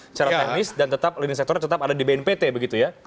secara teknis dan tetap leading sektornya tetap ada di bnpt begitu ya